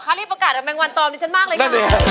ค่ารีประกาศกับแมงวันตอบนี้ฉันมากเลยค่ะ